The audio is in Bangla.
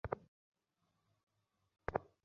তবে যা তুমি ভালো বিবেচনা হয় তাই করো।